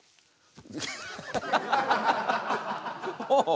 おお！